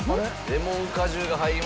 レモン果汁が入りました。